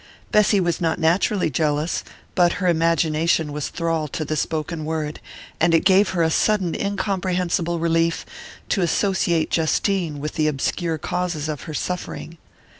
Bessy was not naturally jealous, but her imagination was thrall to the spoken word, and it gave her a sudden incomprehensible relief to associate Justine with the obscure causes of her suffering.